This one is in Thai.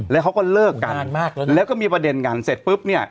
แล้วเขาก็เลิกกันนานมากแล้วก็มีประเด็นกันเสร็จปุ๊บเนี่ย